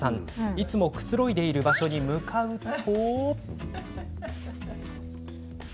いつも、くつろいでいる場所に向かうと。